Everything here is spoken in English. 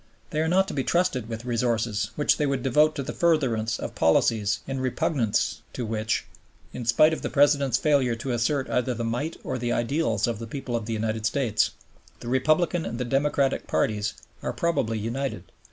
They are not to be trusted with resources which they would devote to the furtherance of policies in repugnance to which, in spite of the President's failure to assert either the might or the ideals of the people of the United States, the Republican and the Democratic parties are probably united.